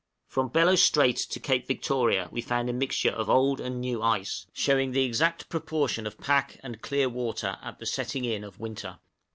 From Bellot Strait to Cape Victoria we found a mixture of old and new ice, showing the exact proportion of pack and of clear water at the setting in of winter.